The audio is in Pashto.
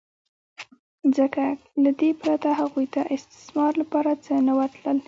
ځکه له دې پرته هغوی ته د استثمار لپاره څه نه ورتلل